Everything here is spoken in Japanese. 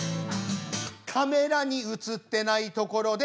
「カメラに映ってないところで」